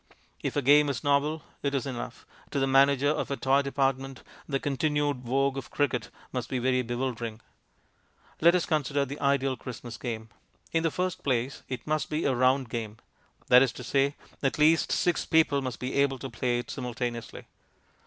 If a game is novel, it is enough. To the manager of a toy department the continued vogue of cricket must be very bewildering. Let us consider the ideal Christmas game. In the first place, it must be a round game; that is to say, at least six people must be able to play it simultaneously.